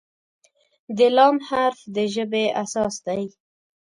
د "ل" حرف د ژبې اساس دی.